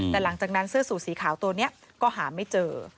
แต่หลังจากนั้นเสื้อสูตรสีขาวตัวนี้ก็หาไม่เจอ